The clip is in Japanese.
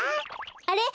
あれ？